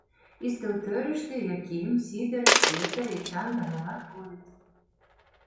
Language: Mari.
Ӱстелтӧрыштӧ Яким, Сидыр Петр, Эчан да молат койыт.